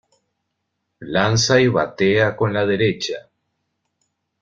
Lanza y batea con la derecha.